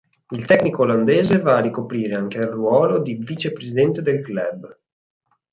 Il tecnico olandese va a ricoprire anche il ruolo di vicepresidente del club.